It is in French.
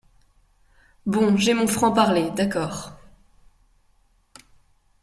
Bon, j’ai mon franc-parler, d’accord.